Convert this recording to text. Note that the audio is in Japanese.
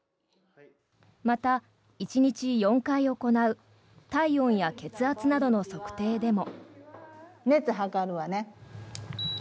また、１日４回行う体温や血圧などの測定でも。